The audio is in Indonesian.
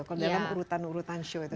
kalau dalam urutan urutan shio itu sendiri